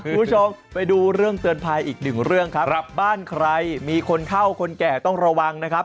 คุณผู้ชมไปดูเรื่องเตือนภัยอีกหนึ่งเรื่องครับบ้านใครมีคนเท่าคนแก่ต้องระวังนะครับ